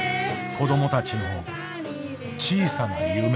子どもたちの小さな夢。